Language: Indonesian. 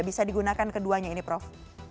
bisa digunakan keduanya ini prof